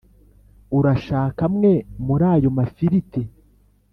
urashaka amwe muri ayo mafiriti?